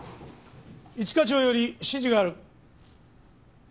一課長より指示がある。